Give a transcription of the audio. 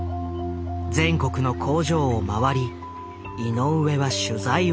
全国の工場を回り井上は取材を重ねる。